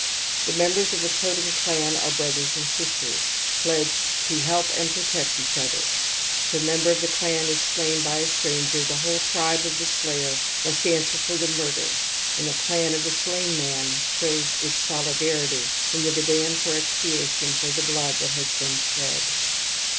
The memb ere if a totem elan are brothers and sisters, plej*^ Ha*aammm«*>« ijifeTTf^Ip q,n(^ pMf ^^^^^^ nthfir ; if a member of the clan is slain by a stranger the whole tribe of the slayer must answer for the murder and the clan of the slain man shows its solidarity in the demand for expiation for the blood that has been shed.